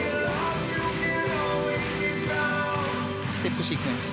ステップシークエンス。